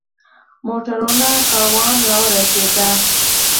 موټرونو کاروان را ورسېد.